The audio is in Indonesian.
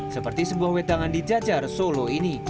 seperti sebuah wedangan di jajar solo ini